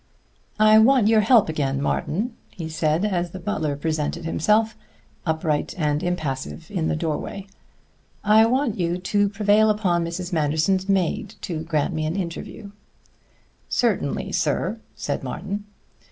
"I want your help again, Martin," he said, as the butler presented himself, upright and impassive, in the doorway. "I want you to prevail upon Mrs. Manderson's maid to grant me an interview." "Certainly, sir," said Martin.